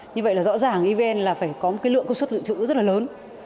như vậy là rõ ràng evn là phải có một cái lượng công suất lượng trụ rất là lớn